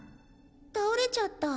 倒れちゃった。